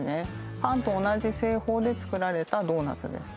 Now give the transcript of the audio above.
パンと同じ製法で作られたドーナツです。